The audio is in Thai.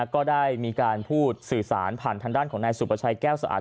ก็ได้มีการพูดสื่อสารผ่านทางด้านของนายสุประชัยแก้วสะอาด